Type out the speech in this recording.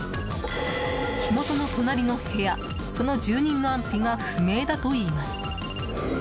火元の隣の部屋、その住人の安否が不明だといいます。